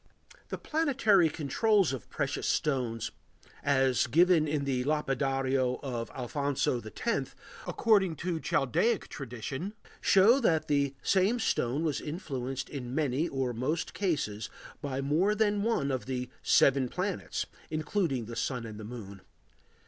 ] The planetary controls of precious stones as given in the Lapidario of Alfonso X, according to "Chaldaic" tradition, show that the same stone was influenced in many or most cases by more than one of the "seven planets" (including the Sun and Moon).